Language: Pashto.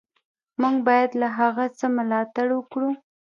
موږ باید له هغه څه ملاتړ وکړو.